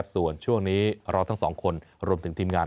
ส่วนช่วงนี้เราทั้งสองคนรวมถึงทีมงาน